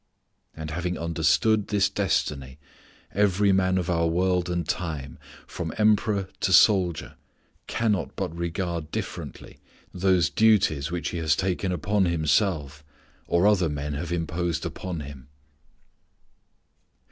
And having understood this destiny, every man of our world and time, from Emperor to soldier, cannot but regard differently those duties which he has taken upon himself or other men have imposed upon him.